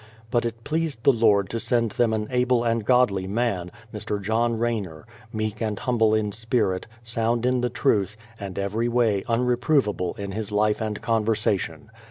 But it pleased the Lord to send them an able and godly man, Mr. John Rayner, meek and humble in spirit, sound in the truth, and every way unreprovable in his life and conversation.